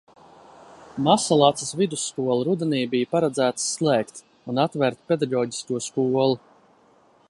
Mazsalacas vidusskolu rudenī bija paredzēts slēgt un atvērt pedagoģisko skolu.